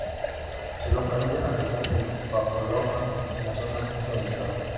Se localiza en la región del Papaloapan, en la zona centro del estado.